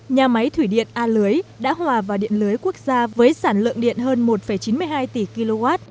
nhà máy thủy điện a lưới đã hòa vào điện lưới quốc gia với sản lượng điện hơn một chín mươi hai tỷ kw